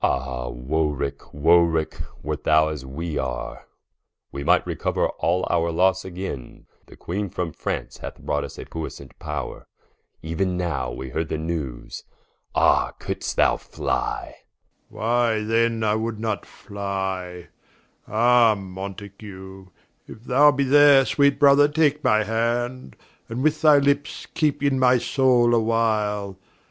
Som. Ah Warwicke, Warwicke, wert thou as we are, We might recouer all our Losse againe: The Queene from France hath brought a puissant power. Euen now we heard the newes: ah, could'st thou flye Warw. Why then I would not flye. Ah Mountague, If thou be there, sweet Brother, take my Hand, And with thy Lippes keepe in my Soule a while.